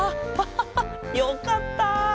ハハハよかった！